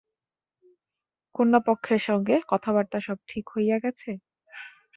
কন্যাপক্ষের সঙ্গে কথাবার্তা সব ঠিক হইয়া গেছে?